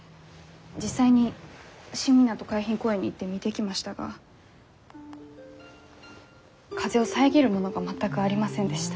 実際に新港海浜公園に行って見てきましたが風を遮るものが全くありませんでした。